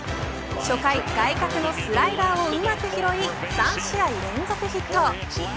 初回、外角のスライダーをうまく拾い３試合連続ヒット。